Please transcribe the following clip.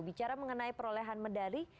bicara mengenai perolehan medali